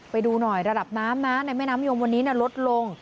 ไปดูหน่อยระดับน้ำนะในแม่น้ำยมวันนี้ลดลง